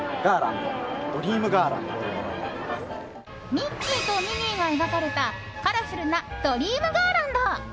ミッキーとミニーが描かれたカラフルなドリームガーランド。